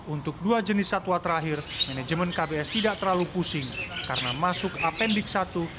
untuk dua jenis satwa terakhir manajemen kbs tidak terlalu pusing karena masuk apendik satu